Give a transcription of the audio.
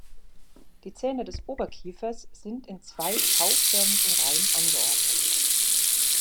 Die Zähne des Oberkiefers sind in zwei V-förmigen Reihen angeordnet.